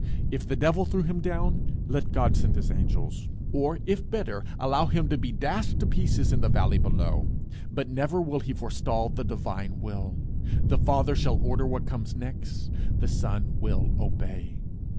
If the devil threw him down, let God send his angels; or, if better, allow him to be dashed to pieces in the valley below. But never will he forestall the divine will. The Father shall order what comes next. The Son will obey.